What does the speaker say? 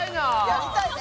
やりたいね。